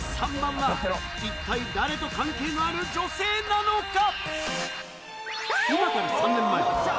一体誰と関係のある女性なのか？